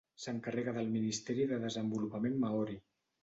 S'encarrega del Ministeri de Desenvolupament Maori.